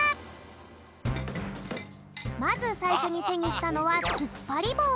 まずさいしょにてにしたのはつっぱりぼう！